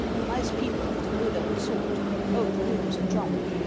Nice people of the good old sort Old Groome's a trump.